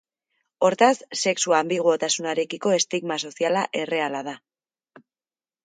Hortaz sexu anbiguotasunarekiko estigma soziala erreala da.